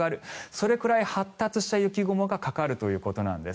それくらい発達した雪雲がかかるということです。